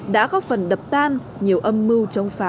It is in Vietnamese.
đã góp phần đập tan nhiều âm mưu chống phá